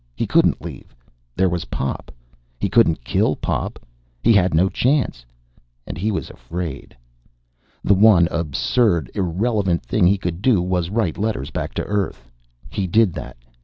He couldn't leave. There was Pop. He couldn't kill Pop. He had no chance and he was afraid. The one absurd, irrelevant thing he could do was write letters back to Earth. He did that.